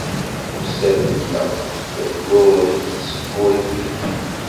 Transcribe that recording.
Ussan-nneɣ fennun seg wurrif-ik.